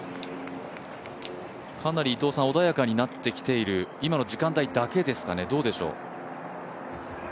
かなり穏やかになっている、今の時間帯だけですかね、どうでしょう。